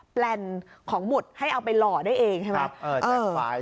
แปลนของหมุดให้เอาไปหล่อได้เองใช่ไหม